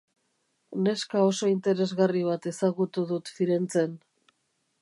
Neska oso interesgarri bat ezagutu dut Firenzen.